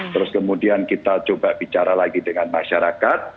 terus kemudian kita coba bicara lagi dengan masyarakat